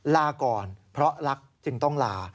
ลาก่อนเพราะรักจึงต้องลา